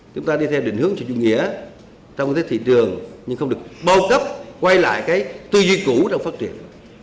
chúng ta đi theo định hướng sự dùng nghĩa trong thế thị trường nhưng không được bao cấp quay lại cái tư duy cũ trong phát triển